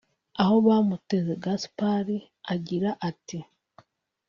Ahobamuteze Gaspard agira ati